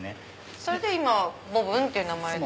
それで今はボブンって名前でも。